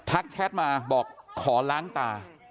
แชทมาบอกขอล้างตา